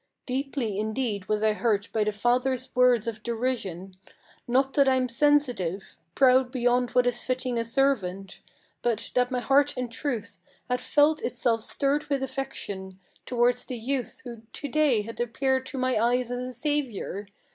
Deeply indeed was I hurt by the father's words of derision; Not that I'm sensitive, proud beyond what is fitting a servant; But that my heart in truth had felt itself stirred with affection Towards the youth who to day had appeared to my eyes as a savior.